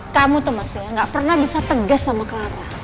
kamu tuh masih gak pernah bisa tegas sama clara